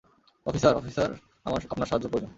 Officer, officer আমার আপনার সাহায্য প্রয়োজন।